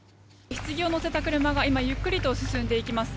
ひつぎを載せた車が今、ゆっくりと進んでいきます。